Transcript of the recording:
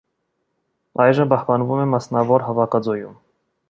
Այժմ պահպանվում է մասնավոր հավաքածուում։